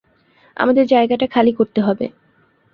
আমাদের জায়গাটা খালি করতে হবে!